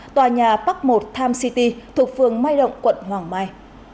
tòa nhà park một time city thuộc phường mai động quận hoàng mai